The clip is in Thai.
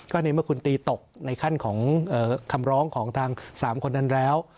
ก็ในเมื่อคุณตีตกในขั้นของคำร้องของทาง๓คนนั้นแล้ว